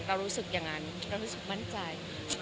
เรารู้สึกอย่างนั้นเรารู้สึกมั่นใจ